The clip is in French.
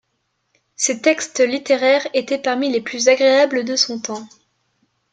Ses textes littéraires étaient parmi les plus agréables de son temps.